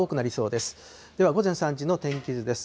では、午前３時の天気図です。